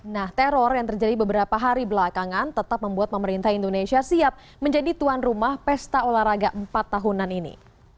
nah teror yang terjadi beberapa hari belakangan tetap membuat pemerintah indonesia siap menjadi tuan rumah pesta olahraga empat tahunan ini